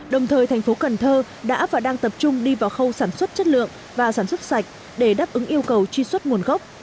đồng thời thành phố cần thơ đã và đang tập trung đi vào khâu sản xuất chất lượng và sản xuất sạch để đáp ứng yêu cầu truy xuất nguồn gốc